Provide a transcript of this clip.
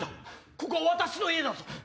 ここは私の家だぞ。